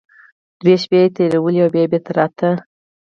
دوې شپې يې تېرولې او بيا بېرته راته.